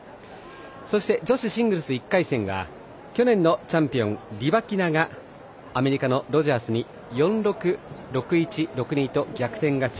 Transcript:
そして女子シングルス１回戦は去年のチャンピオン、リバキナがアメリカのロジャースに４−６、６−１、６−２で逆転勝ち。